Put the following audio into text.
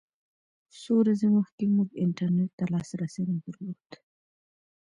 څو ورځې مخکې موږ انټرنېټ ته لاسرسی نه درلود.